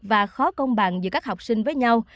và khó công bằng giữa các học sinh với nhau